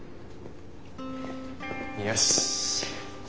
よし。